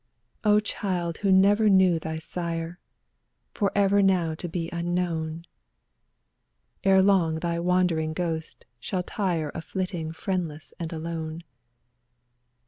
24 "O child who never knew thy sire, For ever now to be unknown, Ere long thy wandering ghost shall tire Of flitting friendless and alone.